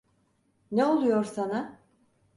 Ne oluyor sana?